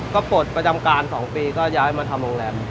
ก็ปลดประจำการ๒ปีก็ย้ายมาทำโรงแรม